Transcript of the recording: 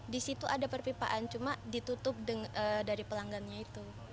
di situ ada perpipaan cuma ditutup dari pelanggannya itu